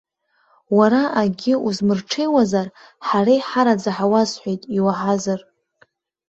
Уара акгьы узмырҽеиуазар, ҳара иҳараӡа ҳәа уасҳәеит, иуаҳазар!